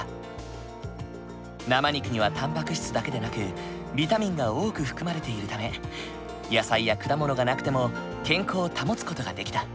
生肉にはたんぱく質だけでなくビタミンが多く含まれているため野菜や果物がなくても健康を保つ事ができた。